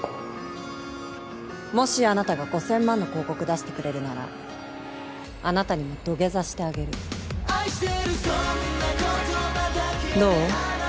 もしあなたが５０００万の広告出してくれるならあなたにも土下座してあげるどう？